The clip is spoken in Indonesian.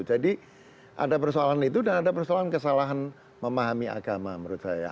ada persoalan itu dan ada persoalan kesalahan memahami agama menurut saya